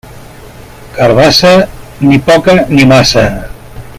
Carabassa, ni poca ni massa.